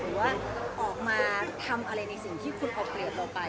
หรือว่าออกมาทำอะไรในสิ่งที่คุณเอาเปรียบเราไป